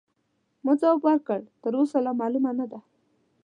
ما ځواب ورکړ: تراوسه لا معلومه نه ده.